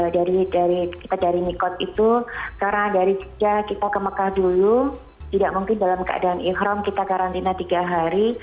dari nikot itu karena dari sejak kita ke mekah dulu tidak mungkin dalam keadaan ikhram kita karantina tiga hari